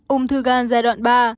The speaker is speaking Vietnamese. ung thư gan giai đoạn ba